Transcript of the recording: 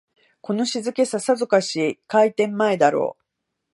この静けさ、さぞかし開店前だろう